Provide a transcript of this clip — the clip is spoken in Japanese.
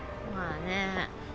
まあね。